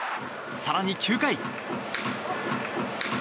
更に９回。